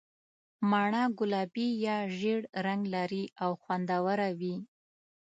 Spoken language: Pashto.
مڼه ګلابي یا ژېړ رنګ لري او خوندوره وي.